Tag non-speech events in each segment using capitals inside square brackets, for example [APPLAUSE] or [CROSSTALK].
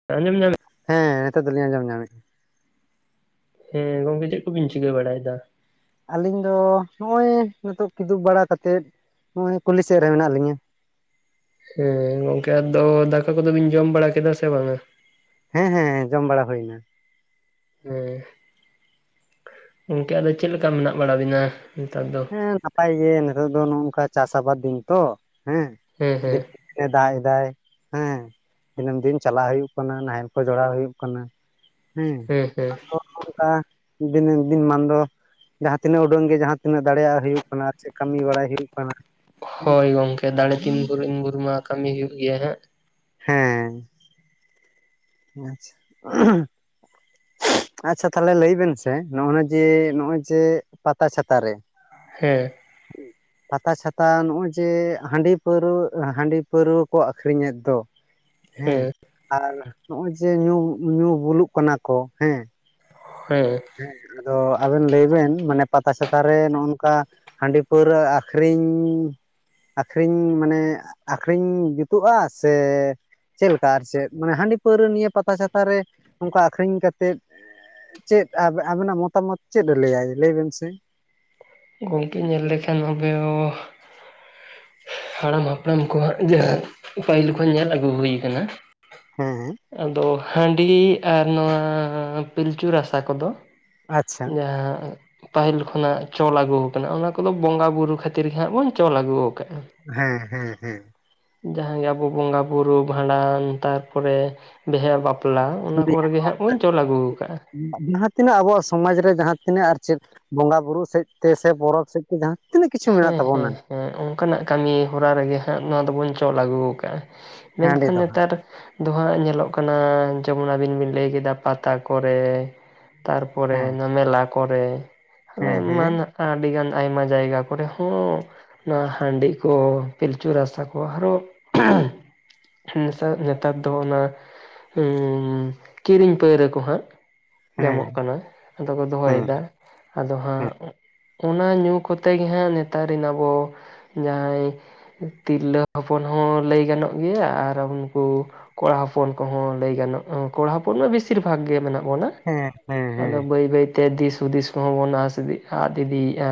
[UNINTELLIGIBLE] ᱦᱮᱸ ᱱᱤᱛᱚᱜ ᱫᱚᱞᱤᱧ ᱟᱸᱡᱚᱢ ᱧᱟᱢᱮᱫᱼᱟ᱾ ᱦᱮᱸ ᱜᱚᱝᱠᱮ ᱪᱮᱫ ᱠᱚᱵᱤᱱ ᱪᱤᱠᱟᱹ ᱵᱟᱲᱟᱭ ᱫᱟ? ᱟᱞᱤᱧ ᱫᱚ ᱱᱚᱜᱼᱚᱭ ᱱᱤᱛᱚᱜ ᱠᱤᱫᱩᱵ ᱵᱟᱲᱟ ᱠᱟᱛᱮᱫ ᱱᱚᱜᱼᱚᱭ ᱠᱩᱞᱤ ᱥᱮᱫ ᱨᱮ ᱢᱮᱱᱟᱜ ᱞᱤᱧᱟᱹ᱾ ᱦᱮᱸ ᱜᱚᱝᱠᱮ ᱟᱫᱚ ᱫᱟᱠᱟ ᱠᱚᱫᱚ ᱵᱤᱱ ᱡᱚᱢ ᱵᱟᱲᱟ ᱠᱮᱫᱟ ᱥᱮ ᱵᱟᱝ-ᱟ? ᱦᱮᱸ ᱦᱮᱸ ᱡᱚᱢ ᱵᱟᱲᱟ ᱦᱩᱭᱱᱟ᱾ ᱦᱮᱸ᱾ ᱜᱚᱝᱠᱮ ᱟᱫᱚ ᱪᱮᱫ ᱞᱮᱠᱟ ᱢᱮᱱᱟᱜ ᱵᱟᱲᱟ ᱵᱤᱱᱟ ᱱᱮᱛᱟᱨ ᱫᱚ? ᱦᱮᱸ ᱱᱟᱯᱟᱭ ᱜᱮ ᱱᱤᱛᱚᱜ ᱫᱚ ᱱᱚᱝᱠᱟ ᱪᱟᱥ ᱟᱵᱟᱫ ᱫᱤᱱ ᱛᱚ ᱦᱮᱸ᱾ ᱦᱮᱸ ᱦᱮᱸ᱾ ᱫᱤᱱᱟᱹᱢ ᱫᱟᱜ ᱮᱫᱟᱭ ᱦᱮᱸ᱾ ᱫᱤᱱᱟᱹᱢ ᱫᱤᱱ ᱪᱟᱞᱟᱜ ᱦᱩᱭᱩᱜ ᱠᱟᱱᱟ ᱱᱟᱦᱮᱞ ᱠᱚ ᱡᱚᱲᱟᱣ ᱦᱩᱭᱩᱜ ᱠᱟᱱᱟ᱾ ᱦᱮᱸ ᱟᱫᱚ ᱚᱝᱠᱟ ᱫᱤᱱᱟᱹᱢ ᱫᱤᱱ ᱢᱟᱱ ᱫᱚ ᱡᱟᱦᱟᱸ ᱛᱤᱱᱟᱹᱜ ᱩᱰᱟᱹᱝ ᱜᱮ ᱡᱟᱦᱟᱸ ᱛᱤᱱᱟᱹᱜ ᱫᱟᱲᱮᱭᱟᱜ ᱦᱩᱭᱩᱜ ᱠᱟᱱᱟ ᱪᱮᱫ ᱠᱟᱹᱢᱤ ᱵᱟᱲᱟᱭ ᱦᱩᱭᱩᱜ ᱠᱟᱱᱟ᱾ ᱦᱳᱭ ᱜᱚᱝᱠᱮ ᱫᱟᱲᱮ ᱛᱤᱱ ᱵᱷᱳᱨ ᱤᱱ ᱵᱷᱳᱨ ᱢᱟ ᱠᱟᱹᱢᱤ ᱦᱩᱭᱩᱜ ᱜᱮᱭᱟ ᱦᱟᱸᱜ ᱾ ᱦᱮᱸ᱾ ᱟᱪᱪᱷᱟ ᱛᱟᱦᱚᱞᱮ ᱞᱟᱹᱭ ᱵᱮᱱ ᱥᱮ ᱱᱚᱜᱼᱚ ᱱᱟ ᱡᱮ ᱱᱚᱜᱼᱚᱭ ᱡᱮ ᱯᱟᱛᱟ ᱪᱷᱟᱛᱟ ᱨᱮ ᱦᱮᱸ ᱾ ᱯᱟᱛᱟ ᱪᱷᱟᱛᱟ ᱱᱚᱜᱼᱚᱭ ᱡᱮ ᱦᱟᱺᱰᱤ ᱯᱟᱹᱨᱣᱟᱹᱜ ᱦᱟᱺᱰᱤ ᱯᱟᱹᱨᱣᱟᱹ ᱠᱚ ᱟᱹᱠᱷᱨᱤᱧᱮᱫ ᱫᱚ, [UNINTELLIGIBLE] ᱦᱮᱸ, ᱟᱨ ᱱᱚᱜᱼᱚᱭ ᱡᱮ ᱧᱩ ᱧᱩ ᱵᱩᱞᱩᱜ ᱠᱟᱱᱟ ᱠᱚ ᱦᱮᱸ᱾ ᱦᱮᱸ ᱾ ᱦᱮᱸ ᱟᱫᱚ ᱟᱵᱮᱱ ᱞᱟᱹᱭ ᱵᱮᱱ ᱢᱟᱱᱮ ᱯᱟᱛᱟ ᱪᱷᱟᱛᱟ ᱨᱮ ᱱᱚᱜᱼᱚᱱᱠᱟ ᱦᱟᱺᱰᱤ ᱯᱟᱹᱣᱨᱟᱹ ᱟᱠᱷᱨᱤᱧᱻ ᱟᱠᱷᱨᱤᱧ ᱢᱟᱱᱮ ᱟᱠᱷᱨᱤᱧ ᱡᱩᱛᱩᱜᱼᱟ ᱥᱮ ᱪᱮᱫ ᱞᱮᱠᱟ ᱟᱨ ᱪᱮᱫ ᱢᱟᱱᱮ ᱦᱟᱺᱰᱤ ᱯᱟᱹᱣᱨᱟᱹ ᱱᱤᱭᱟᱹ ᱯᱟᱛᱟ ᱪᱷᱟᱛᱟ ᱨᱮ ᱚᱱᱠᱟ ᱟᱠᱷᱨᱤᱧ ᱠᱟᱛᱮᱫ ᱪᱮᱫ ᱟᱵᱮ ᱟᱵᱮᱱᱟᱜ ᱢᱚᱛᱟᱢᱚᱛ ᱪᱮᱫ ᱮ ᱞᱟᱹᱭᱟᱭ ᱞᱟᱹᱭᱵᱮᱱ ᱥᱮ? ᱜᱚᱝᱠᱮ ᱧᱮᱞ ᱞᱮᱠᱷᱟᱱ ᱟᱯᱮ ᱦᱚᱸ ᱦᱟᱲᱟᱢ ᱦᱟᱯᱲᱟᱢ ᱠᱚᱣᱟᱜ ᱡᱟᱦᱟᱸ ᱯᱟᱹᱦᱤᱞ ᱠᱷᱚᱱ ᱧᱮᱞ ᱟᱹᱜᱩ ᱦᱩᱭ ᱠᱟᱱᱟ ᱦᱮᱸ ᱾ ᱟᱫᱚ ᱦᱟᱺᱰᱤ ᱟᱨ ᱱᱚᱣᱟ ᱯᱤᱞᱪᱩ ᱨᱟᱥᱟ ᱠᱚ ᱫᱚ ᱟᱪᱪᱷᱟ ᱡᱟᱦᱟᱸ ᱯᱟᱹᱦᱤᱞ ᱠᱷᱚᱱᱟᱜ ᱪᱚᱞ ᱟᱹᱜᱩᱣ ᱠᱟᱱᱟ ᱚᱱᱟ ᱠᱚᱫᱚ ᱵᱚᱸᱜᱟ ᱵᱩᱨᱩ ᱠᱷᱟᱹᱛᱤᱨ ᱜᱮ ᱦᱟᱸᱜ ᱵᱚᱱ ᱪᱚᱞ ᱟᱹᱜᱩᱣ ᱠᱟᱜᱼᱟ᱾ ᱦᱮᱸ ᱦᱮᱸ ᱦᱮᱸ ᱾ ᱡᱟᱦᱟᱸᱜᱮ ᱟᱵᱚ ᱵᱚᱸᱜᱟ ᱵᱩᱨᱩ ᱵᱷᱟᱸᱰᱟᱱ ᱛᱟᱨᱯᱚᱨᱮ ᱵᱤᱦᱟᱹ ᱵᱟᱯ ᱯᱞᱟ ᱚᱱᱟ ᱠᱚᱨᱮ ᱜᱮ ᱦᱟᱸᱜ ᱵᱚᱱ ᱪᱚᱞ ᱟᱹᱜᱩᱣ ᱠᱟᱜᱼᱟ᱾ ᱡᱟᱦᱟᱸ ᱛᱤᱱᱟᱹᱜ ᱟᱵᱚᱣᱟᱜ ᱥᱚᱢᱟᱡᱽ ᱨᱮ ᱡᱟᱦᱟᱸ ᱛᱤᱱᱟᱹᱜ ᱟᱨ ᱪᱮᱫ ᱵᱚᱸᱜᱟ ᱵᱩᱨᱩ ᱥᱮᱫ ᱛᱮ ᱥᱮ ᱯᱚᱨᱚᱵᱽ ᱥᱮᱫ ᱛᱮ ᱡᱟᱦᱟᱸ ᱛᱤᱱᱟᱹᱜ ᱠᱤᱪᱷᱩ ᱢᱮᱱᱟᱜ ᱦᱮᱸ ᱛᱟᱵᱚᱱᱟ, ᱦᱮᱸ ᱦᱮᱸ ᱚᱱᱠᱟᱱᱟᱜ ᱠᱟᱹᱢᱤ ᱦᱚᱨᱟ ᱨᱮᱜᱮ ᱦᱟᱸᱜ ᱱᱚᱣᱟ ᱫᱚᱵᱚᱱ ᱪᱚᱞ ᱟᱹᱜᱩᱣ ᱠᱟᱜᱼᱟ᱾ ᱢᱮᱱ ᱦᱟᱺᱰᱤ ᱠᱷᱟᱱ ᱫᱚ ᱦᱟᱸᱜ ᱱᱮᱛᱟᱨ ᱫᱚ ᱦᱟᱸᱜ ᱧᱮᱞᱚᱜ ᱠᱟᱱᱟ ᱡᱮᱢᱚᱱ ᱟᱹᱵᱤᱱ ᱵᱤᱱ ᱞᱟᱹᱭ ᱠᱮᱫᱟ ᱯᱟᱛᱟ ᱠᱚᱨᱮ ᱛᱟᱨᱯᱚᱨᱮ ᱦᱮᱸ ᱚᱱᱟ ᱢᱮᱞᱟ ᱠᱚᱨᱮ, ᱦᱮᱸ ᱮᱢᱟᱱ ᱟᱹᱰᱤ ᱜᱟᱱ ᱟᱭᱢᱟ ᱡᱟᱭᱜᱟ ᱠᱚᱨᱮ ᱦᱚᱸ ᱱᱚᱣᱟ ᱦᱟᱺᱰᱤ ᱠᱚ ᱯᱤᱞᱪᱩ ᱨᱟᱥᱟ ᱠᱚ ᱟᱨᱚ ᱱᱮᱥᱟ ᱱᱮᱛᱟᱨ ᱫᱚ ᱚᱱᱟ ᱦᱩᱸᱻ ᱠᱤᱨᱤᱧ ᱯᱟᱹᱣᱨᱟᱹ ᱠᱚ ᱦᱟᱸᱜ ᱦᱮᱸ ᱧᱟᱢᱚᱜ ᱠᱟᱱᱟ᱾ ᱟᱫᱚ ᱠᱚ ᱦᱮᱸ ᱦᱮᱸ ᱫᱚᱦᱚᱭᱫᱟ ᱟᱫᱚ ᱦᱟᱸᱜ ᱦᱮᱸ ᱚᱱᱟ ᱧᱩ ᱠᱚᱛᱮ ᱜᱮ ᱦᱟᱸᱜ ᱱᱮᱛᱟᱨ ᱨᱮᱱ ᱟᱵᱚ ᱡᱟᱦᱟᱸᱭ ᱛᱤᱨᱞᱟᱹ ᱦᱚᱯᱚᱱ ᱦᱚᱸ ᱞᱟᱹᱭ ᱜᱟᱱᱚᱜ ᱜᱮᱭᱟ ᱟᱨ ᱩᱝᱠᱩ ᱠᱚᱲᱟ ᱦᱚᱯᱚᱱ ᱠᱚᱦᱚᱸ ᱞᱟᱹᱭ ᱜᱟᱱᱚᱜᱼᱟ, ᱠᱚᱲᱟ ᱦᱚᱯᱚᱱ ᱢᱟ ᱵᱮᱥᱤᱨ ᱵᱷᱟᱜᱽ ᱜᱮ ᱢᱮᱱᱟᱜ ᱵᱚᱱᱟ ᱾ ᱦᱮᱸ ᱦᱮᱸ ᱦᱮᱸ ᱾ ᱟᱫᱚ ᱵᱟᱹᱭ ᱵᱟᱹᱭᱛᱮ ᱫᱤᱥ ᱦᱩᱫᱤᱥ ᱠᱚᱦᱚᱸ ᱵᱚᱱ ᱟᱥ ᱤᱫᱤ ᱟᱫᱷ ᱤᱫᱤᱭᱼᱟ᱾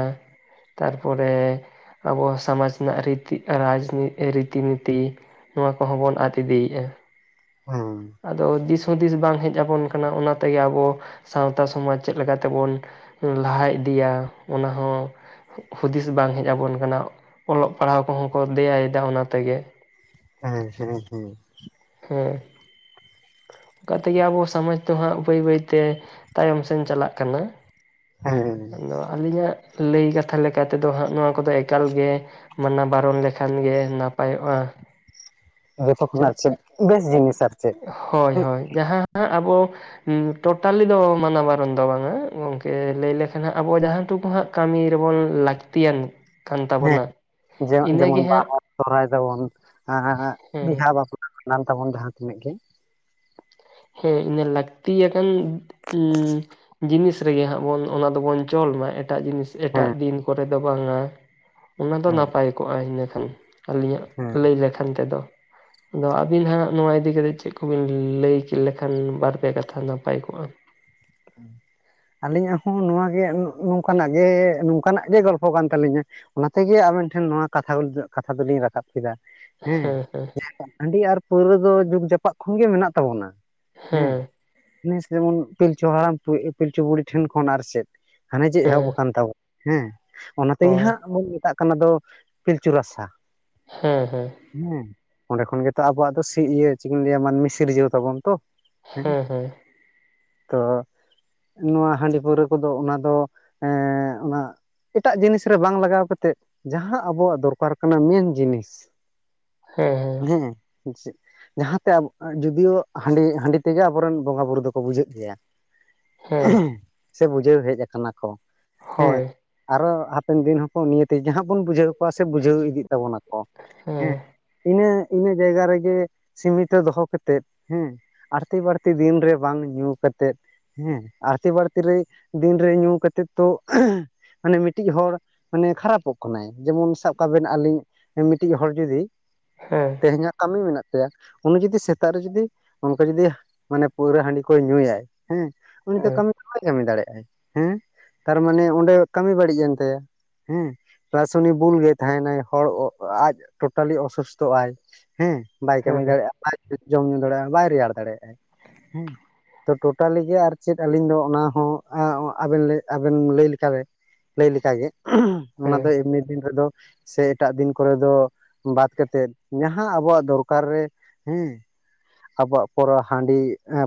ᱛᱟᱨ ᱯᱚᱨᱮ ᱟᱵᱚ ᱥᱚᱢᱟᱡᱽ ᱨᱮᱱᱟᱜ ᱨᱤᱛᱤ ᱨᱟᱡᱽ ᱨᱤᱛᱤ ᱱᱤᱛᱤ ᱱᱚᱣᱟ ᱠᱚᱦᱚᱸ ᱵᱚᱱ ᱟᱫᱷ ᱤᱫᱤᱭᱼᱟ᱾ ᱦᱩᱸ ᱾ ᱟᱫᱚ ᱫᱤᱥᱦᱩᱫᱤᱥ ᱵᱟᱝ ᱦᱮᱡ ᱟᱵᱚᱱ ᱠᱟᱱᱟ ᱚᱱᱟ ᱛᱮᱜᱮ ᱟᱵᱚ ᱥᱟᱶᱛᱟ ᱥᱚᱢᱟᱡᱽ ᱪᱮᱫ ᱞᱮᱠᱟ ᱛᱮᱵᱚᱱ ᱞᱟᱦᱟ ᱤᱫᱤᱭᱟ ᱚᱱᱟ ᱦᱚᱸ ᱦᱩᱫᱤᱥ ᱵᱟᱝ ᱦᱮᱡ ᱟᱵᱚᱱ ᱠᱟᱱᱟ, ᱚᱞᱚᱜ ᱯᱟᱲᱦᱟᱣ ᱠᱚᱦᱚᱸ ᱠᱚ ᱫᱮᱭᱟᱭᱮᱫᱟ ᱚᱱᱟ ᱛᱮᱜᱮ ᱾ ᱦᱮᱸ [INAUDIBLE] ᱦᱮᱸ ᱾ ᱚᱱᱠᱟ ᱛᱮᱜᱮ ᱟᱵᱚ ᱥᱚᱢᱟᱡᱽ ᱫᱚ ᱦᱟᱸᱜ ᱵᱟᱹᱭ ᱵᱟᱹᱭᱛᱮ ᱛᱟᱭᱚᱢ ᱥᱮᱱ ᱪᱟᱞᱟᱜ ᱠᱟᱱᱟ ᱾ ᱦᱮᱸ ᱟᱫᱚ ᱟᱹᱞᱤᱧᱟᱜ ᱞᱟᱹᱭ ᱠᱟᱛᱷᱟ ᱞᱮᱠᱟ ᱛᱮᱫᱚ ᱦᱟᱸᱜ ᱱᱚᱣᱟ ᱠᱚᱫᱚ ᱮᱠᱟᱞᱜᱮ ᱢᱟᱱᱟ ᱵᱟᱨᱚᱱ ᱞᱮᱠᱷᱟᱱ ᱜᱮ ᱱᱟᱯᱟᱭᱚᱜᱼᱟ ᱾ ᱡᱚᱛᱚ ᱠᱷᱚᱱᱟᱜ ᱪᱮᱫ ᱵᱮᱥ ᱡᱤᱱᱤᱥ ᱟᱨ ᱪᱮᱫ᱾ ᱦᱳᱭ, ᱦᱳᱭ ᱡᱟᱦᱟ ᱟᱵᱚ ᱴᱳᱴᱟᱞᱤ ᱫᱚ ᱢᱟᱱᱟ ᱵᱟᱨᱚᱱ ᱫᱚ ᱵᱟᱝ-ᱟ ᱜᱚᱢᱠᱮ ᱞᱟᱹᱭ ᱞᱮᱠᱷᱟᱱ ᱦᱟᱸᱜ ᱟᱵᱚ ᱡᱟᱦᱟ ᱴᱩᱠᱩ ᱦᱟᱸᱜ ᱠᱟᱹᱢᱤ ᱨᱮᱵᱚᱱ ᱞᱟᱹᱠᱛᱤ ᱟᱱᱤᱡ᱾ ᱦᱮᱸ ᱡᱮ ᱡᱮᱢᱚᱱ ᱵᱟᱦᱟ ᱥᱚᱦᱚᱨᱟᱭ ᱛᱟᱵᱚᱱ ᱦᱮᱸ ᱵᱤᱦᱟᱹ ᱵᱟᱯᱞᱟ᱾ ᱠᱟᱱ ᱛᱟᱵᱚᱱᱟ ᱡᱟᱦᱟ ᱛᱤᱱᱟᱹᱜ ᱜᱮ᱾ ᱦᱮᱸ ᱤᱱᱟᱹ ᱞᱟᱹᱠᱛᱤ ᱟᱠᱟᱱ ᱡᱤᱱᱤᱥ ᱨᱮᱜᱮ ᱦᱟᱸᱜ ᱵᱚᱱ ᱚᱱᱟ ᱫᱚ ᱵᱚᱱ ᱪᱚᱞ ᱢᱟ ᱮᱴᱟᱜ ᱡᱤᱱᱤᱥ ᱦᱮᱸ ᱮᱴᱟᱜ ᱫᱤᱱ ᱠᱚᱨᱮ ᱫᱚ ᱵᱟᱝ-ᱟ᱾ ᱚᱱᱟ ᱫᱚ ᱦᱮᱸ ᱱᱟᱯᱟᱭ ᱠᱚᱜ-ᱟ ᱤᱱᱟᱹᱠᱷᱟᱱ ᱟᱹᱞᱤᱧᱟᱜ ᱦᱮᱸ ᱞᱟᱹᱭ ᱞᱮᱠᱷᱟᱱ ᱛᱮᱫᱚ᱾ ᱟᱫᱚ ᱟᱹᱵᱤᱱ ᱦᱟᱸᱜ ᱱᱚᱣᱟ ᱤᱫᱤᱠᱟ ᱠᱟᱛᱮᱜ ᱪᱮᱫ ᱠᱚ ᱵᱤᱱ ᱞᱟᱹᱭ᱾ ᱞᱮᱠᱷᱟᱱ ᱵᱟᱨᱯᱮ ᱠᱟᱛᱷᱟ ᱱᱟᱯᱟᱭ ᱠᱚᱜ-ᱟ᱾ ᱟᱹᱞᱤᱧᱟᱜ ᱦᱚᱸ ᱱᱚᱣᱟᱜ ᱜᱮ ᱱᱚᱝᱠᱟᱱᱟᱜ ᱜᱮ ᱱᱚᱝᱠᱟᱱᱟᱜ ᱜᱮ ᱜᱚᱞᱯᱷᱚ ᱠᱟᱱ ᱛᱟᱹᱞᱤᱧᱟ᱾ ᱚᱱᱟᱛᱮᱜᱮ ᱟᱵᱮᱱ ᱴᱷᱮᱱ ᱱᱚᱣᱟ ᱠᱟᱛᱷᱟ ᱠᱟᱛᱷᱟ ᱫᱚᱞᱤᱧ ᱨᱟᱠᱟᱵ ᱠᱮᱫᱟ᱾ ᱦᱮᱸ ᱦᱟᱸᱰᱤ ᱟᱨ ᱯᱟᱹᱣᱨᱟᱹ ᱫᱚ ᱡᱩᱜᱽ ᱡᱟᱯᱟᱜ ᱠᱷᱚᱱ ᱜᱮ ᱢᱮᱱᱟᱜ ᱛᱟᱵᱚᱱᱟ᱾ ᱦᱮᱸ ᱱᱮᱥ ᱡᱮᱢᱚᱱ ᱯᱤᱞᱪᱩ ᱦᱟᱲᱟᱢ ᱯᱤᱞᱪᱩ ᱵᱩᱲᱦᱤ ᱴᱷᱮᱱ ᱠᱷᱚᱱ ᱟᱨ ᱪᱮᱫ᱾ ᱦᱟᱱᱮ ᱡᱮ ᱮᱦᱚᱵ ᱦᱮᱸ ᱟᱠᱟᱱ ᱛᱟᱵᱚᱱᱟ ᱦᱮᱸ ᱚᱱᱟ ᱛᱮᱜᱮ ᱦᱳᱭ ᱦᱟᱸᱜ ᱵᱚᱱ ᱢᱮᱛᱟᱜ ᱠᱟᱱᱟ ᱫᱚ ᱯᱤᱞᱪᱩ ᱨᱟᱥᱟ᱾ ᱦᱮᱸ, ᱦᱮᱸ᱾ ᱦᱮᱸ ᱚᱸᱰᱮ ᱠᱷᱚᱱ ᱜᱮᱛᱚ ᱟᱵᱚᱣᱟᱜ ᱫᱚ ᱥᱤ ᱤᱭᱟᱹ ᱪᱮᱫ ᱤᱧ ᱞᱟᱹᱭ-ᱟ ᱢᱟᱹᱱᱢᱤ ᱥᱤᱨᱡᱟᱹᱣ ᱛᱟᱵᱚᱱ ᱛᱚ᱾ ᱦᱮᱸ ᱛᱚ᱾ ᱱᱚᱣᱟ ᱦᱟᱸᱰᱤ ᱯᱟᱹᱣᱨᱟᱹ ᱠᱚᱫᱚ ᱚᱱᱟ ᱫᱚ ᱮᱸᱻᱚᱱᱟ ᱮᱴᱟᱜ ᱡᱤᱱᱤᱥ ᱨᱮ ᱵᱟᱝ ᱞᱟᱜᱟᱣ ᱠᱟᱛᱮᱫ ᱡᱟᱦᱟ ᱟᱵᱚᱣᱟᱜ ᱫᱚᱨᱠᱟᱨ ᱠᱟᱱᱟ ᱢᱮᱱ ᱡᱤᱱᱤᱥ᱾ ᱦᱮᱸ, ᱦᱮᱸ᱾ ᱦᱮᱸ ᱥᱮ ᱪᱮᱫ᱾ ᱡᱟᱦᱟ ᱛᱮ ᱟᱵᱚ ᱡᱚᱫᱤᱭᱳ ᱦᱟᱸᱰᱤ, ᱦᱟᱸᱰᱤ ᱛᱮᱜᱮ ᱟᱵᱚᱨᱮᱱ ᱵᱚᱸᱜᱟ ᱵᱩᱨᱩ ᱫᱚᱠᱚ ᱵᱩᱡᱷᱟᱹᱜ ᱜᱮᱭᱟ᱾ ᱦᱮᱸ ᱥᱮ ᱵᱩᱡᱷᱟᱹᱣ ᱦᱮᱡ ᱠᱟᱱᱟ ᱠᱚ ᱦᱮᱸ᱾ ᱦᱳᱭ ᱟᱨᱚ ᱦᱟᱯᱮᱱ ᱫᱤᱱ ᱦᱚᱸᱠᱚ ᱱᱤᱭᱟᱹ ᱛᱮ ᱡᱟᱦᱟ ᱵᱚᱱ ᱵᱩᱡᱷᱟᱹᱣ ᱠᱚᱣᱟ ᱥᱮ ᱵᱩᱡᱷᱟᱹᱣ ᱤᱫᱤᱜ ᱛᱟᱵᱚᱱ ᱟᱠᱚ ᱦᱮᱸ᱾ ᱤᱱᱟᱹ ᱤᱱᱟᱹ ᱡᱟᱭᱜᱟ ᱨᱮᱜᱮ ᱥᱤᱢᱤᱛᱚ ᱫᱚᱦᱚ ᱠᱟᱛᱮᱫ ᱦᱮᱸ᱾ ᱟᱹᱲᱛᱤ ᱵᱟᱹᱲᱛᱤ ᱫᱤᱱ ᱨᱮ ᱵᱟᱝ ᱧᱩ ᱠᱟᱛᱮᱜ ᱦᱮᱸ᱾ ᱟᱹᱲᱛᱤ ᱵᱟᱹᱲᱛᱤ ᱨᱮ ᱫᱤᱱ ᱨᱮ ᱧᱩ ᱠᱟᱛᱮᱫ ᱛᱚ ᱢᱟᱱᱮ ᱢᱤᱫᱴᱤᱡ ᱦᱚᱲ ᱢᱟᱱᱮ ᱠᱷᱟᱨᱟᱯ ᱚᱜ ᱠᱟᱱᱟᱭ ᱡᱮᱢᱚᱱ ᱥᱟᱵ ᱠᱟᱜ ᱵᱤᱱ ᱟᱹᱞᱤᱧ᱾ ᱢᱤᱫᱴᱤᱡ ᱦᱚᱲ ᱡᱩᱫᱤ ᱦᱮᱸ᱾ ᱛᱮᱦᱮᱧ ᱦᱟᱸᱜ ᱠᱟᱹᱢᱤ ᱢᱮᱱᱟᱜ ᱛᱟᱭᱟ ᱩᱱᱤ ᱡᱩᱫᱤ ᱥᱮᱛᱟᱜ ᱨᱮ ᱡᱩᱫᱤ ᱚᱱᱠᱟ ᱡᱩᱫᱤ ᱢᱟᱱᱮ ᱯᱟᱹᱣᱨᱟᱹ ᱦᱟᱸᱰᱤ ᱠᱚᱭ ᱧᱩᱭᱟᱭ ᱦᱮᱸ ᱦᱮᱸ ᱩᱱᱤ ᱫᱚ ᱦᱮᱸ ᱠᱟᱹᱢᱤ ᱵᱟᱭ ᱠᱟᱹᱢᱤ ᱫᱟᱲᱮᱜ-ᱟᱭ ᱦᱮᱸ ᱛᱟᱨᱢᱟᱱᱮ ᱚᱸᱰᱮ ᱠᱟᱹᱢᱤ ᱵᱟᱹᱲᱤᱡ ᱮᱱ ᱛᱟᱭᱟ ᱦᱮᱸ᱾ ᱪᱮᱫᱟᱜ ᱥᱮ ᱩᱱᱤ ᱵᱩᱞ ᱜᱮ ᱛᱟᱦᱮᱱᱟᱭ ᱦᱚᱲ ᱟᱡ ᱴᱳᱴᱟᱞᱤ ᱚᱥᱩᱥᱛᱚᱜ-ᱟᱭ ᱦᱮᱸ᱾ ᱵᱟᱭ ᱠᱟᱹᱢᱤ ᱦᱮᱸ ᱫᱟᱲᱮᱜ-ᱟ ᱵᱟᱭ ᱡᱚᱢ ᱧᱩ ᱫᱟᱲᱮᱜ-ᱟ ᱵᱟᱭ ᱨᱮᱭᱟᱲ ᱫᱟᱲᱮᱜ-ᱟᱭ ᱦᱮᱸ ᱛᱚ ᱴᱳᱴᱟᱞᱤ ᱜᱮ ᱟᱨ ᱪᱮᱫ ᱟᱹᱞᱤᱧ ᱫᱚ ᱚᱱᱟ ᱦᱚᱸ ᱟᱵᱮᱱ, ᱟᱵᱮᱱ ᱞᱟᱹᱭ ᱞᱮᱠᱟ ᱛᱮ᱾ ᱞᱟᱹᱭ ᱞᱮᱠᱟ ᱜᱮ ᱚᱱᱟ ᱫᱚ ᱮᱢᱱᱤ ᱫᱤᱱ ᱨᱮᱫᱚ ᱥᱮ ᱮᱴᱟᱜ ᱫᱤᱱ ᱠᱚᱨᱮ ᱫᱚ ᱵᱟᱫ ᱠᱟᱛᱮᱫ ᱡᱟᱦᱟ ᱟᱵᱚᱣᱟᱜ ᱫᱚᱨᱠᱟᱨ ᱨᱮ ᱦᱮᱸ ᱟᱵᱚᱣᱟᱜ ᱯᱚᱨᱟ ᱦᱟᱸᱰᱤ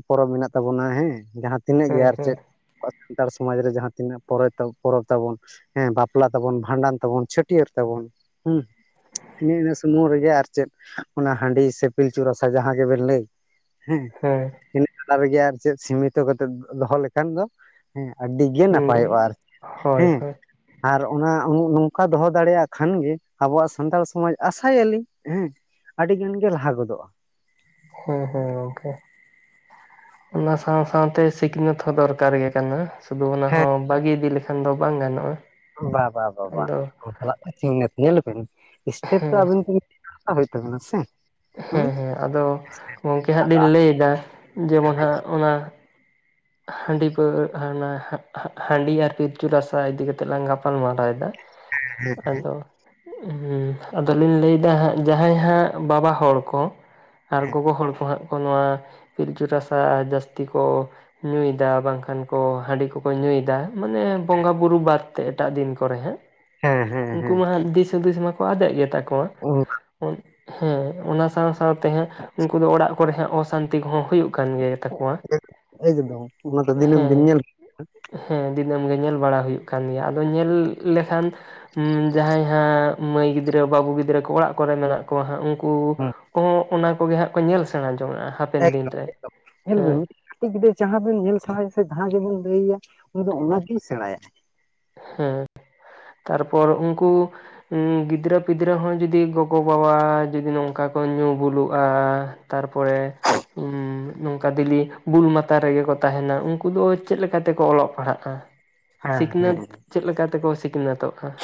ᱯᱚᱨᱚᱵᱽ ᱢᱮᱱᱟᱜ ᱛᱟᱵᱚᱱᱟ ᱦᱮᱸ ᱡᱟᱦᱟ ᱛᱤᱱᱟᱹᱜ ᱜᱮ ᱦᱮᱸ ᱟᱨ ᱦᱮᱸ ᱪᱮᱫ ᱟᱵᱚᱣᱟᱜ ᱥᱟᱱᱛᱟᱲ ᱥᱚᱢᱟᱡᱽ ᱨᱮ ᱡᱟᱦᱟ ᱛᱤᱱᱟᱹᱜ ᱯᱚᱨ ᱯᱚᱨᱚᱵᱽ ᱛᱟᱵᱚᱱ᱾ ᱦᱮᱸ ᱵᱟᱯᱞᱟ ᱛᱟᱵᱚᱱ, ᱵᱷᱟᱸᱰᱟᱱ ᱛᱟᱵᱚᱱ, ᱪᱷᱟᱹᱴᱭᱟᱹᱨ ᱛᱟᱵᱚᱱ ᱦᱩᱸ᱾ ᱦᱤᱱᱟᱹ ᱤᱱᱟᱹ ᱥᱩᱢᱩᱝ ᱨᱮᱜᱮ ᱟᱨ ᱪᱮᱫ᱾ ᱚᱱᱟ ᱦᱟᱸᱰᱤ ᱥᱮ ᱯᱤᱞᱪᱩ ᱨᱟᱥᱟ ᱡᱟᱦᱟ ᱜᱮᱵᱮᱱ ᱞᱟᱹᱭ ᱦᱮᱸ᱾ ᱦᱮᱸ ᱾ ᱤᱱᱟᱹ ᱛᱟᱞᱟ ᱨᱮᱜᱮ ᱟᱨ ᱪᱮᱫ ᱥᱤᱢᱤᱛᱚ ᱠᱟᱛᱮ ᱫᱚᱦᱚ ᱞᱮᱠᱷᱟᱱ ᱫᱚ ᱦᱮᱸ ᱟᱹᱰᱤ ᱜᱮ ᱱᱟᱯᱟᱭᱚᱜᱼᱟ ᱦᱩᱸ ᱟᱨᱠᱤ, ᱦᱳᱭ ᱦᱮᱸ ᱾ ᱦᱳᱭ ᱟᱨ ᱚᱱᱟ ᱱᱚᱝᱠᱟ ᱫᱚᱦᱚ ᱫᱟᱲᱮᱭᱟᱜ ᱠᱷᱟᱱ ᱜᱮ ᱟᱵᱚᱣᱟᱜ ᱥᱟᱱᱛᱟᱲ ᱥᱚᱢᱟᱡᱽ ᱟᱥᱟᱭᱟᱞᱤᱧ ᱦᱮᱸ, ᱟᱹᱰᱤ ᱜᱟᱱ ᱜᱮ ᱞᱟᱦᱟ ᱜᱚᱫᱚᱜᱼᱟ᱾ ᱦᱮᱸ ᱦᱮᱸ ᱜᱚᱝᱠᱮ ᱾ ᱚᱱᱟ ᱥᱟᱶ ᱥᱟᱶᱛᱮ ᱥᱤᱠᱷᱱᱟᱹᱛ ᱦᱚᱸ ᱫᱚᱨᱠᱟᱨ ᱜᱮ ᱠᱟᱱᱟ᱾ ᱥᱩᱫᱩ ᱚᱱᱟ ᱦᱮᱸ ᱦᱚᱸ ᱵᱟᱜᱤ ᱤᱫᱤ ᱞᱤᱠᱷᱟᱱ ᱫᱚ ᱵᱟᱝ ᱜᱟᱱᱚᱜᱼᱟ᱾ ᱵᱟ ᱵᱟ ᱵᱟᱵᱟ ᱟᱫᱚ ᱵᱟᱯᱞᱟᱜ ᱥᱤᱠᱷᱱᱟᱹᱛ ᱧᱮᱞᱵᱤᱱ ᱥᱴᱮᱯ ᱛᱚ ᱦᱮᱸ ᱟᱵᱤᱱ ᱛᱚᱵᱤᱱ [INAUDIBLE] ᱦᱟᱛᱟᱣ ᱦᱳᱭᱳᱜ ᱛᱟᱵᱤᱱᱟ ᱥᱮ ᱾ ᱦᱮᱸ ᱦᱮᱸ ᱟᱫᱚ ᱜᱚᱝᱠᱮ ᱦᱟᱸᱜ ᱞᱤᱧ ᱞᱟᱹᱭᱫᱟ ᱡᱮᱢᱚᱱ ᱦᱟᱸᱜ ᱚᱱᱟ ᱦᱟᱺᱰᱤ ᱯᱟᱹᱣ ᱦᱟᱱᱟ ᱦᱟ-ᱦᱟ-ᱦᱟᱺᱰᱤ ᱟᱨ ᱯᱤᱞᱪᱩ ᱨᱟᱥᱟ ᱤᱫᱤ ᱠᱟᱛᱮᱜ ᱞᱟᱝ ᱜᱟᱯᱟᱞ ᱢᱟᱨᱟᱣᱮᱫᱟ ᱾ ᱟᱫᱚ ᱦᱩᱸ, ᱟᱫᱚᱞᱤᱧ ᱞᱟᱹᱭᱫᱟ ᱦᱟᱸᱜ ᱡᱟᱦᱟᱸᱭ ᱦᱟᱸᱜ ᱵᱟᱵᱟ ᱦᱚᱲ ᱠᱚ, ᱟᱨ ᱜᱚᱜᱚ ᱦᱚᱲ ᱠᱚ ᱦᱟᱸᱜ ᱠᱚ ᱱᱚᱣᱟ ᱯᱤᱞᱪᱩ ᱨᱟᱥᱟ ᱡᱟᱹᱥᱛᱤ ᱠᱚ ᱧᱩᱭᱫᱟ ᱵᱟᱝᱠᱷᱟᱱ ᱠᱚ ᱦᱟᱺᱰᱤ ᱠᱚᱠᱚ ᱧᱩᱭᱫᱟ ᱢᱟᱱᱮ ᱵᱚᱸᱜᱟ ᱵᱩᱨᱩ ᱵᱟᱫ ᱛᱮ ᱮᱴᱟᱜ ᱫᱤᱱ ᱠᱚᱨᱮ ᱦᱟᱸᱜ ᱾ ᱦᱮᱸ ᱦᱮᱸ ᱩᱝᱠᱩ ᱦᱮᱸ ᱢᱟ ᱦᱟᱸᱜ ᱫᱤᱥ ᱦᱩᱫᱤᱥ ᱢᱟᱠᱚ ᱟᱫᱮᱜ ᱜᱮᱛᱟ ᱠᱚᱣᱟ ᱾ ᱚ ᱾ ᱚᱱ ᱦᱮᱸ, ᱚᱱᱟ ᱥᱟᱸᱶ ᱥᱟᱶᱛᱮ ᱦᱟᱜ ᱩᱝᱠᱩ ᱫᱚ ᱚᱲᱟᱜ ᱠᱚᱨᱮ ᱦᱟᱸᱜ ᱚᱥᱟᱱᱛᱤ ᱠᱚᱦᱚᱸ ᱦᱩᱭᱩᱜ ᱠᱟᱱ ᱜᱮᱛᱟ ᱠᱚᱣᱟ᱾ ᱜᱮ ᱮᱠᱫᱚᱢ ᱚᱱᱟ ᱫᱚ ᱫᱤᱱᱟᱹᱢ ᱫᱤᱱ ᱧᱮᱞ ᱦᱮᱸ ᱫᱤᱱᱟᱹᱢ ᱜᱮ ᱧᱮᱞ ᱵᱟᱲᱟ ᱦᱩᱭᱩᱜ ᱠᱟᱱ ᱜᱮᱭᱟ, ᱟᱫᱚ ᱧᱮᱞ ᱞᱮᱠᱷᱟᱱ ᱦᱩᱸ ᱡᱟᱦᱟᱸᱭ ᱦᱟᱸᱜ ᱢᱟᱹᱭ ᱜᱤᱫᱽᱨᱟᱹ ᱵᱟᱹᱵᱩ ᱜᱤᱫᱽᱨᱟᱹ ᱠᱚ ᱚᱲᱟᱜ ᱠᱚᱨᱮ ᱢᱮᱱᱟᱜ ᱠᱚᱣᱟ ᱦᱟᱸᱜ ᱩᱝ ᱠᱩ ᱠᱚᱦᱚᱸ ᱚᱱᱟ ᱠᱚᱜᱮ ᱦᱟᱸᱜ ᱠᱚ ᱧᱮᱞ ᱥᱮᱬᱟ ᱡᱚᱝᱟᱜᱼᱟ᱾ ᱦᱟᱯᱮᱱ ᱫᱤᱱ ᱮᱠᱫᱚᱢ ᱨᱮ ᱮᱠᱫᱚᱢ ᱧᱮᱞᱵᱤᱱ ᱦᱮᱸ ᱢᱤᱫ ᱴᱤᱡ ᱜᱤᱫᱽᱨᱟᱹ ᱡᱟᱦᱟᱸ ᱵᱤᱱ ᱧᱮᱞ ᱥᱮᱸᱬᱟᱭᱟ ᱥᱮ ᱡᱟᱦᱟᱸᱭ ᱜᱮᱵᱮᱱ ᱞᱟᱹᱭ ᱟᱭᱟ ᱩᱱᱤ ᱫᱚ ᱚᱱᱟᱜᱮᱭ ᱥᱮᱸᱬᱟᱭᱟ᱾ ᱦᱮᱸ, ᱛᱟᱨᱯᱚᱨ ᱩᱝᱠᱩ ᱩᱸᱻ ᱜᱤᱫᱽᱨᱟᱹ ᱯᱤᱫᱽᱨᱟᱹ ᱦᱚᱸ ᱡᱩᱫᱤ ᱜᱚᱜᱚᱵᱟᱵᱟ ᱡᱩᱫᱤ ᱱᱚᱝᱠᱟ ᱠᱚ ᱧᱩ ᱵᱩᱞᱩᱜᱼᱟ, ᱛᱟᱨᱯᱚᱨᱮ ᱦᱩᱸ ᱱᱚᱝᱠᱟ ᱫᱤᱞᱤ ᱵᱩᱞ ᱢᱟᱛᱟ ᱨᱮᱜᱮ ᱠᱚ ᱛᱟᱦᱮᱱᱟ ᱩᱝᱠᱩ ᱫᱚ ᱪᱮᱜ ᱞᱮᱠᱟ ᱛᱮᱠᱚ ᱚᱞᱚᱜ ᱯᱟᱲᱦᱟᱜᱼᱟ? ᱦᱮᱸ ᱥᱤᱠᱷᱱᱟᱹᱛ ᱦᱮᱸ ᱪᱮᱜ ᱞᱮᱠᱟ ᱛᱮᱠᱚ ᱥᱤᱠᱷᱱᱟᱹᱛᱚᱜᱼᱟ?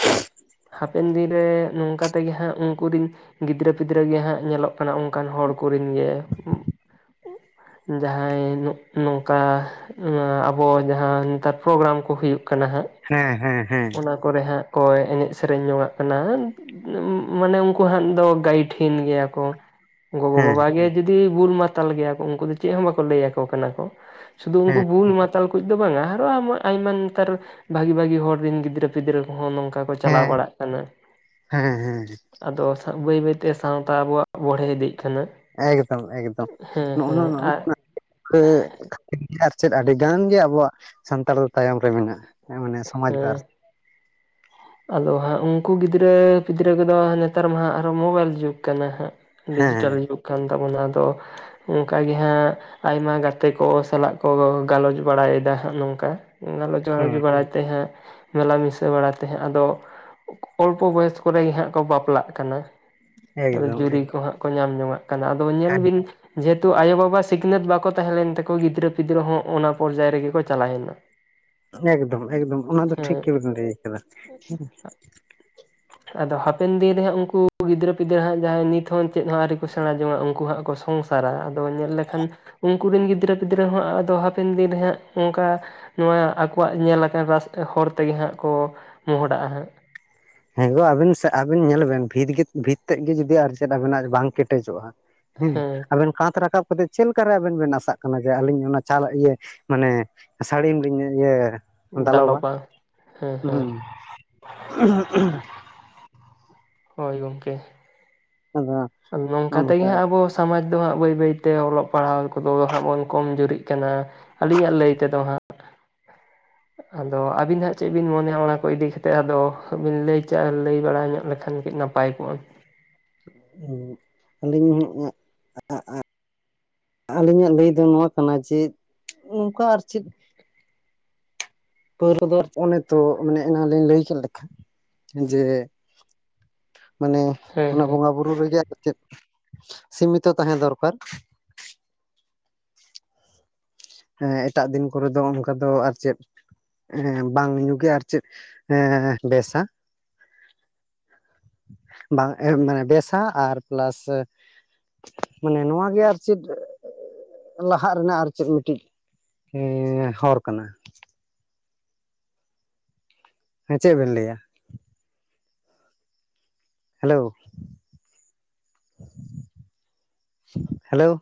ᱦᱟᱯᱮᱱ ᱫᱤᱱ ᱨᱮ ᱱᱚᱝᱠᱟ ᱛᱮᱜᱮ ᱦᱟᱸᱜ ᱩᱝᱠᱩ ᱨᱤᱱ ᱜᱤᱫᱽᱨᱟᱹ ᱯᱤᱫᱽᱨᱟᱹ ᱜᱮ ᱦᱟᱸᱜ ᱧᱮᱞᱚᱜ ᱠᱟᱱᱟ ᱚᱝᱠᱟᱱ ᱦᱚᱲ ᱠᱚᱨᱮᱱ ᱜᱮ ᱡᱟᱦᱟᱸᱭ ᱱᱚᱜᱼᱚᱚᱝᱠᱟ ᱱᱚᱣᱟ ᱟᱵᱚ ᱡᱟᱦᱟᱸ ᱱᱮᱛᱟᱨ ᱯᱨᱳᱜᱨᱟᱢ ᱠᱚ ᱦᱩᱭᱩᱜ ᱠᱟᱱᱟ ᱦᱟᱸᱜ ᱾ ᱦᱮᱸ ᱦᱮᱸ ᱦᱮᱸ ᱾ ᱚᱱᱟ ᱠᱚᱨᱮ ᱦᱟᱸᱜ ᱠᱚ ᱮᱱᱮᱡ ᱥᱮᱨᱮᱧ ᱧᱚᱜᱟᱜ ᱠᱟᱱᱟ᱾ ᱢᱟ ᱢᱟᱱᱮ ᱩᱝᱠᱳ ᱦᱟᱸᱜ ᱫᱚ ᱜᱟᱹᱭᱤᱴᱷᱦᱤᱱ ᱜᱮᱭᱟ ᱠᱚ ᱾ ᱜᱚᱜᱚ ᱦᱮᱸ ᱦᱮᱸ ᱵᱟᱵᱟ ᱜᱮ ᱡᱩᱫᱤ ᱵᱩᱞ ᱢᱟᱛᱟᱞ ᱜᱮᱭᱟ ᱠᱚ ᱩᱝᱠᱩ ᱫᱚ ᱪᱮᱜ ᱦᱚᱸ ᱵᱟᱠᱚ ᱞᱟᱹᱭᱟ ᱠᱚ ᱠᱟᱱᱟ ᱠᱚ ᱾ ᱥᱩᱫᱷᱩ ᱩᱝᱠᱩ ᱦᱮᱸ ᱵᱩᱞ ᱢᱟᱛᱟᱞ ᱠᱩᱡ ᱫᱚ ᱵᱟᱝᱟ ᱟᱨᱚ ᱟᱢᱟ ᱟᱭᱢᱟ ᱱᱮᱛᱟᱨ ᱵᱷᱟᱹᱜᱤ ᱵᱷᱟᱹᱜᱤ ᱦᱚᱲ ᱨᱤᱱ ᱜᱤᱫᱽᱨᱟᱹ ᱯᱤᱫᱽᱨᱟᱹ ᱠᱚᱦᱚᱸ ᱱᱚᱝᱠᱟ ᱠᱚ ᱪᱟᱞᱟᱣ ᱦᱮᱸ ᱵᱟᱲᱟᱜ ᱠᱟᱱᱟ᱾ ᱦᱮᱸ ᱦᱮᱸ ᱟᱫᱚ ᱥᱟ ᱵᱟᱹᱭ ᱵᱟᱹᱭᱛᱮ ᱥᱟᱶᱛᱟ ᱟᱵᱚᱣᱟᱜ ᱵᱚᱲᱦᱮ ᱤᱫᱤᱜ ᱠᱟᱱᱟ᱾ ᱮᱠᱫᱚᱢ ᱮᱠᱫᱚᱢ, ᱦᱮᱸ ᱱᱚᱜᱼᱚ ᱦᱮᱸ ᱱᱟ ᱟᱨ ᱱᱚᱜᱼᱚ ᱱᱟ [INAUDIBLE] ᱠᱷᱟᱹᱛᱤᱨ ᱜᱮ ᱟᱨ ᱪᱮᱫ ᱟᱹᱰᱤ ᱜᱟᱱ ᱜᱮ ᱟᱵᱚᱣᱟᱜ ᱥᱟᱱᱛᱟᱲ ᱫᱚ ᱛᱟᱭᱚᱢ ᱨᱮ ᱢᱮᱱᱟᱜᱼᱟ᱾ ᱦᱮᱸ ᱢᱟᱱᱮ ᱥᱚᱢᱟᱡᱽ ᱵᱟᱨ ᱦᱮᱸ ᱾ ᱟᱫᱚ ᱦᱟᱸᱜ ᱩᱝᱠᱩ ᱜᱤᱫᱽᱨᱟᱹ ᱯᱤᱫᱽᱨᱟᱹ ᱠᱚᱫᱚ ᱱᱮᱛᱟᱨ ᱢᱟ ᱦᱟᱸᱜ ᱟᱨᱚ ᱢᱳᱵᱟᱭᱤᱞ ᱡᱩᱜᱽ ᱠᱟᱱᱟ ᱦᱟᱸᱜ, ᱦᱮᱸ ᱰᱤᱡᱤᱴᱟᱞ ᱡᱩᱜᱽ ᱠᱟᱱ ᱛᱟᱵᱚᱱᱟ ᱟᱫᱚ ᱚᱝᱠᱟ ᱜᱤ ᱦᱟᱸᱜ ᱟᱭᱢᱟ ᱜᱟᱛᱮ ᱠᱚ ᱥᱟᱞᱟᱜ ᱠᱚ ᱜᱟᱞᱚᱪ ᱵᱟᱲᱟᱭ ᱮᱫᱟ ᱱᱚᱝᱠᱟ ᱜᱟᱞᱚᱪ ᱜᱟᱞᱚᱪ ᱦᱮᱸ ᱵᱟᱲᱟᱭ ᱛᱮ ᱦᱟᱸᱜ ᱢᱮᱞᱟᱢᱤᱥᱟ ᱵᱟᱲᱟ ᱛᱮ ᱦᱚᱸ ᱟᱫᱚ ᱚᱞᱯᱚ ᱵᱚᱭᱚᱥ ᱠᱚ ᱨᱮ ᱜᱮ ᱦᱟᱸᱜ ᱠᱚ ᱵᱟᱯᱞᱟᱜ ᱠᱟᱱᱟ᱾ ᱟᱫᱚ ᱮᱠᱫᱚᱢ ᱡᱩᱨᱤ ᱮᱠᱫᱚᱢ ᱠᱚ ᱦᱟᱸᱜ ᱠᱚ ᱧᱟᱢ ᱡᱚᱝᱟᱜ ᱠᱟᱱᱟ ᱟᱫᱚ ᱧᱮᱞ ᱦᱮᱸ ᱵᱤᱱ ᱡᱮᱦᱮᱛᱩ ᱟᱭᱳ ᱵᱟᱵᱟ ᱥᱤᱠᱷᱱᱟᱹᱛ ᱵᱟᱠᱚ ᱛᱟᱦᱮᱸ ᱞᱮᱱ ᱛᱟᱠᱚ ᱜᱤᱫᱽᱨᱟᱹ ᱯᱤᱫᱽᱨᱟᱹ ᱦᱚᱸ ᱚᱱᱟ ᱯᱚᱨᱡᱟᱭ ᱨᱮᱜᱮ ᱠᱚ ᱪᱟᱞᱟᱣ ᱮᱱᱟ᱾ ᱦ [INAUDIBLE] ᱮᱠᱫᱚᱢ ᱮᱠᱫᱚᱢ ᱚᱱᱟ ᱫᱚ ᱴᱷᱤᱠ ᱜᱮ ᱵᱮᱱ ᱞᱟᱹᱭ ᱠᱟᱫᱟ᱾ ᱟᱫᱚ ᱦᱟᱯᱮᱱ ᱫᱤᱱ ᱨᱮ ᱦᱟᱸᱜ ᱩᱱᱠᱩ ᱜᱤᱫᱽᱨᱟᱹ ᱯᱤᱫᱽᱨᱟᱹ ᱦᱟᱸᱜ ᱡᱟᱦᱟᱸᱭ ᱱᱤᱛ ᱦᱚᱸ ᱪᱮᱫ ᱦᱚᱸ ᱟᱹᱣᱨᱤ ᱠᱚ ᱥᱮᱸᱬᱟ ᱡᱚᱝᱟ, ᱩᱱᱠᱩ ᱦᱟᱸᱜ ᱠᱚ ᱥᱚᱝᱥᱟᱨᱟ, ᱟᱫᱚ ᱧᱮᱞ ᱞᱮᱠᱷᱟᱱ ᱩᱱᱠᱩ ᱨᱮᱱ ᱜᱤᱫᱽᱨᱟᱹ ᱯᱤᱫᱽᱨᱟᱹ ᱦᱚᱸ ᱟᱫᱚ ᱦᱟᱯᱮᱱ ᱫᱤᱱ ᱨᱮ ᱦᱟᱸᱜ ᱚᱱᱠᱟ ᱱᱚᱣᱟ ᱟᱠᱚᱣᱟᱜ ᱧᱮᱞ ᱟᱠᱟᱱ ᱨᱟᱥ ᱦᱚᱨ ᱛᱮ ᱜᱮ ᱦᱟᱸᱜ ᱠᱚ ᱢᱚᱸᱦᱰᱟᱜᱼᱟ ᱦᱟᱸᱜ᱾ ᱦᱮᱸ ᱜᱳ ᱟᱵᱤᱱ ᱥᱮ ᱟᱵᱤᱱ ᱧᱮᱞ ᱵᱮᱱ ᱵᱷᱤᱛ ᱜᱮ ᱵᱷᱤᱛ ᱛᱮᱫ ᱜᱮ ᱡᱩᱫᱤ ᱟᱨ ᱪᱮᱫ ᱟᱵᱤᱱᱟᱜ ᱵᱟᱝ ᱠᱮᱴᱮᱡᱚᱜᱼᱟ, ᱦᱮᱸ, ᱟᱵᱮᱱ ᱠᱟᱛ ᱨᱟᱠᱟᱵ ᱪᱮᱫ ᱞᱮᱠᱟ ᱨᱮ ᱟᱵᱮᱱ ᱵᱮᱱ ᱟᱥᱟᱜ ᱠᱟᱱᱟ ᱡᱮ, ᱟᱹᱞᱤᱧ ᱚᱱᱟ ᱪᱟᱞ ᱤᱭᱟᱹ ᱢᱟᱱᱮ ᱥᱟᱹᱲᱤᱢ ᱞᱤᱧ ᱤᱭᱟᱹ ᱫᱟᱞᱚᱵ-ᱟ, ᱦᱮᱸ ᱦᱮᱸ ᱦᱩᱸ᱾ [INAUDIBLE] ᱦᱳᱭ, ᱜᱚᱝᱠᱮ ᱟᱫᱚ ᱟᱫᱚ ᱱᱚᱝᱠᱟ ᱛᱮ ᱜᱮ ᱦᱟᱸᱜ ᱟᱵᱚ ᱥᱚᱢᱟᱡᱽ ᱫᱚ ᱦᱟᱸᱜ ᱵᱟᱹᱭ ᱵᱟᱹᱭ ᱛᱮ ᱚᱞᱚᱜ ᱯᱟᱲᱦᱟᱣ ᱠᱚ ᱫᱚ ᱦᱟᱸᱜ ᱵᱚᱱ ᱠᱚᱢ ᱡᱩᱨᱤᱜ ᱠᱟᱱᱟ᱾ ᱟᱹᱞᱤᱧᱟᱜ ᱞᱟᱹᱭ ᱛᱮ ᱫᱚ ᱦᱟᱸᱜ᱾ ᱟᱫᱚ ᱟᱹᱵᱤᱱ ᱦᱟᱸᱜ ᱪᱮᱫ ᱵᱤᱱ ᱢᱚᱱᱮᱭᱟ ᱚᱱᱟ ᱠᱚ ᱤᱫᱤ ᱠᱟᱛᱮᱫ ᱟᱫᱚ ᱵᱤᱱ ᱞᱟᱹᱭ ᱪᱟ ᱞᱟᱹᱭ ᱵᱟᱲᱟ ᱧᱚᱜ ᱞᱮᱠᱷᱟᱱ ᱠᱟᱹᱡ ᱱᱟᱯ ᱯᱟᱭ ᱠᱚᱜ-ᱟ᱾ ᱟᱹᱞᱤᱧ [UNINTELLIGIBLE] ᱟᱹᱞᱤᱧᱟᱜ ᱞᱟᱹᱭ ᱫᱚ ᱱᱚᱣᱟ ᱠᱟᱱᱟ ᱡᱮ, ᱱᱚᱝᱠᱟ ᱟᱨ ᱪᱮᱫ [UNINTELLIGIBLE] ᱚᱱᱮ ᱛᱚ ᱢᱟᱱᱮ ᱮᱱᱟᱱ ᱞᱤᱧ ᱞᱟᱹᱭ ᱠᱮᱫ ᱞᱮᱠᱟ ᱡᱮ, ᱢᱟᱱᱮ ᱦᱮᱸ ᱚᱱᱟ ᱦᱮᱸ ᱵᱚᱸᱜᱟ ᱵᱩᱨᱩ ᱨᱮ ᱜᱮ ᱟᱨ ᱪᱮᱫ ᱥᱤᱢᱤᱛᱚ ᱛᱟᱦᱮᱸ ᱫᱚᱨᱠᱟᱨ᱾ ᱦᱮᱸ, ᱮᱴᱟᱜ ᱫᱤᱱ ᱠᱚᱨᱮ ᱫᱚ ᱚᱱᱠᱟ ᱫᱚ ᱟᱨ ᱪᱮᱫ ᱵᱟᱝ ᱧᱩᱸ ᱜᱮ ᱟᱨ ᱪᱮᱫ ᱮᱸ ᱵᱮᱥ-ᱟ᱾ ᱵᱟᱝ ᱮᱢ ᱢᱟᱱᱮ ᱵᱮᱥ-ᱟ ᱟᱨ ᱯᱞᱟᱥ ᱢᱟᱱᱮ ᱱᱚᱣᱟ ᱜᱮ ᱟᱨ ᱪᱮᱫ ᱞᱟᱦᱟᱜ ᱨᱮᱱᱟᱜ ᱟᱨ ᱪᱮᱫ ᱢᱤᱫᱴᱤᱡ ᱮᱸ ᱦᱚᱨ ᱠᱟᱱᱟ᱾ ᱦᱮᱸ ᱪᱮᱫ ᱵᱮᱱ ᱞᱟᱹᱭᱟ? Hello, hello.